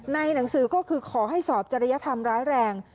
หนังสือก็คือขอให้สอบจริยธรรมร้ายแรง